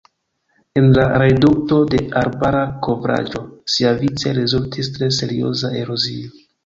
El la redukto de arbara kovraĵo siavice rezultis tre serioza erozio.